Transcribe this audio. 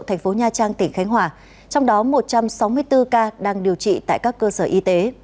thành phố nha trang tỉnh khánh hòa trong đó một trăm sáu mươi bốn ca đang điều trị tại các cơ sở y tế